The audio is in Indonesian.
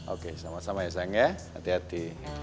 oke sama sama ya sang ya hati hati